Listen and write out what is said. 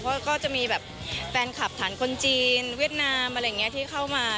ก็จะมีแบบแฟนคลับฐานคนจีนเวียดนามอะไรอย่างนี้ที่เข้ามา